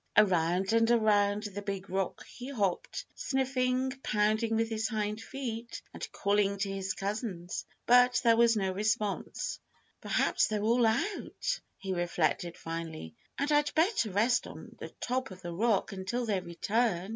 Around and around the big rock he hopped, sniffing, pounding with his hind feet, and calling to his cousins. But there was no response. "Perhaps they're all out," he reflected finally, "and I'd better rest on the top of the rock until they return."